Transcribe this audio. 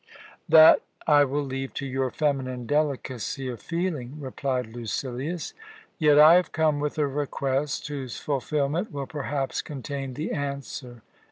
"That I will leave to your feminine delicacy of feeling," replied Lucilius. "Yet I have come with a request whose fulfilment will perhaps contain the answer.